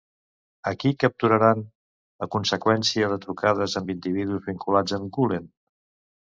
A qui capturaran a conseqüència de trucades amb individus vinculats amb Gülen?